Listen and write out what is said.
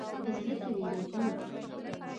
په زړه کې وېرېدم.